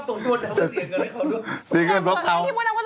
เดี๋ยวจะให้เธอจัดกับคุณไอ้ม้า